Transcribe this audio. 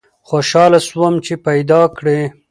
خوشحاله سوم چي پیداکړې